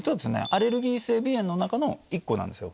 アレルギー性鼻炎の中の１個なんですよ。